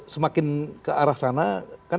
semakin ke arah sana